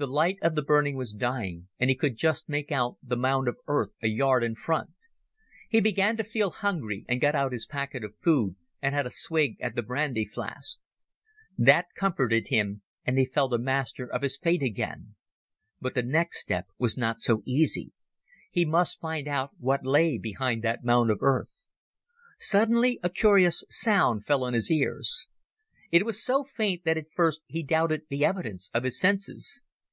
The light of the burning was dying, and he could just make out the mound of earth a yard in front. He began to feel hungry, and got out his packet of food and had a swig at the brandy flask. That comforted him, and he felt a master of his fate again. But the next step was not so easy. He must find out what lay behind that mound of earth. Suddenly a curious sound fell on his ears. It was so faint that at first he doubted the evidence of his senses.